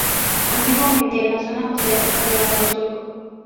Antiguamente en la zona costera se hablaba en sueco.